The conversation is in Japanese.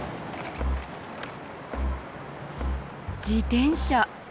自転車。